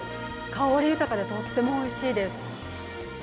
香り豊かでとってもおいしいです。